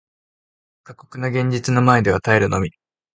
過酷な現実の前では耐えるのみ